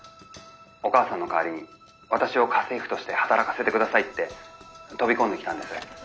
お母さんの代わりに私を家政婦として働かせて下さいって飛び込んできたんです。